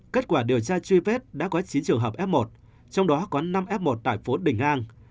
kết quả điều tra truy vết đã có chín trường hợp f một trong đó có năm f một tại phố đình an